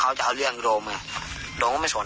ถ้ามาเอาเรื่องปืนผมก็เอาไม่ได้